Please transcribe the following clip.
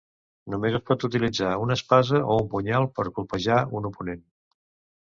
Només es pot utilitzar una espasa o un punyal per colpejar un oponent.